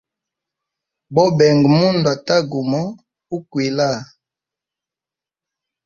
Bobenga mundu ata gumo ukwila haa.